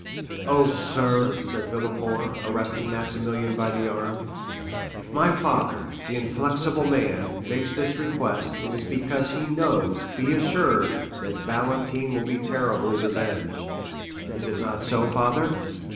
"Oh, sir," said Villefort, arresting Maximilian by the arm, "if my father, the inflexible man, makes this request, it is because he knows, be assured, that Valentine will be terribly revenged. Is it not so, father?"